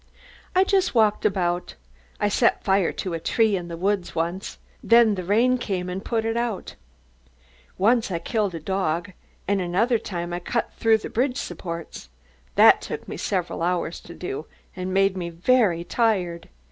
"I just walked about. I set fire to a tree in the woods once, then the rain came and put it out. Once I killed a dog and another time I cut through the bridge supports. That took me several hours to do and made me very tired.